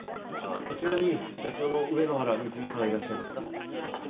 こちらに社長の上野原美鶴さんはいらっしゃいますか？